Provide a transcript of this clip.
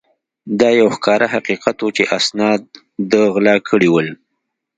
دا یو ښکاره حقیقت وو چې اسناد ده غلا کړي ول.